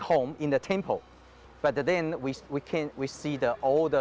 tapi kita melihat seluruh lingkungan sudah terbakar